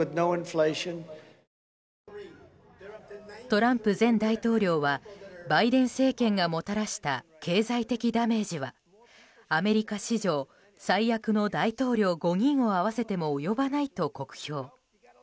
トランプ前大統領はバイデン政権がもたらした経済的ダメージはアメリカ史上最悪の大統領５人を合わせても及ばないと酷評。